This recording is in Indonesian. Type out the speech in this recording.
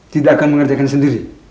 tidak akan mengerjakan sendiri